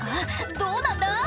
どうなんだ？